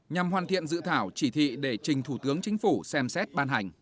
nhằm hoàn thiện dự thảo chỉ thị để trình thủ tướng chính phủ xem xét ban hành